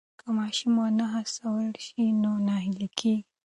که ماشوم ونه هڅول سي نو ناهیلی کېږي.